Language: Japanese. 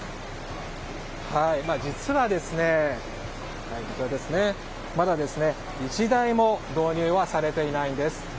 実は、まだ１台も導入はされていないんです。